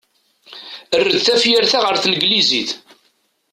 Err-d tafyirt-a ɣer tneglizit.